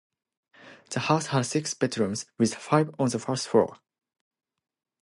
The house had six bedrooms, with five on the first floor.